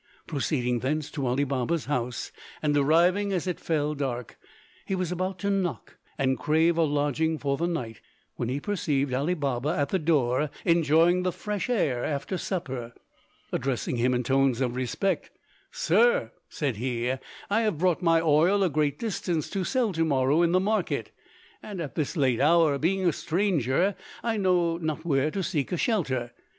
Proceeding thence to Ali Baba's house, and arriving as it fell dark, he was about to knock and crave a lodging for the night, when he perceived Ali Baba at the door enjoying the fresh air after supper. Addressing him in tones of respect, "Sir," said he, "I have brought my oil a great distance to sell to morrow in the market; and at this late hour, being a stranger, I know not where to seek for a shelter.